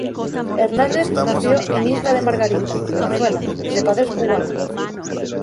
Hernández nació en Isla de Margarita, Venezuela, de padres cubanos.